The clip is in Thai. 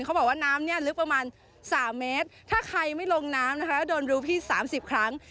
เขาบอกว่าน้ำเนี่ยลึกประมาณ๓เมตรถ้าใครไม่ลงน้ำนะคะโดนรูพี่๓๐ครั้ง